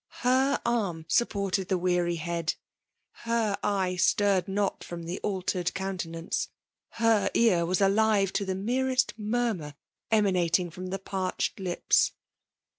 Her arm supported the weary head> ^Aer e^e stirred . not from the altered countenance — her ear was alive to the sierest murmur emanating from the parched lips.